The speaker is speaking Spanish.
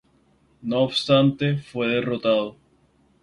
No obstante, fue derrotado.